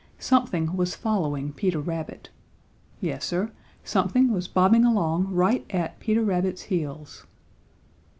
Something was following Peter Rabbit. Yes, Sir, something was bobbing along right at Peter Rabbit's heels.